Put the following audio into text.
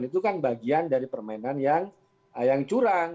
itu kan bagian dari permainan yang curang